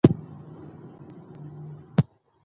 جلګه د افغانانو د ژوند طرز اغېزمنوي.